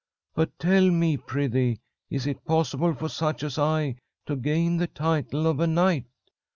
But tell me, prithee, is it possible for such as I to gain the title of a knight?